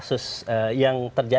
supaya clear juga